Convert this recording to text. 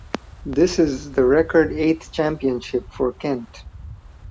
This is the record eighth Championship for Kent.